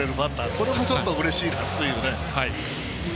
これもちょっとうれしいなと。